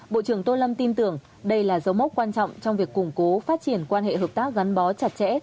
bộ trưởng tô lâm tin tưởng đây là dấu mốc quan trọng trong việc củng cố phát triển quan hệ hợp tác gắn bó chặt chẽ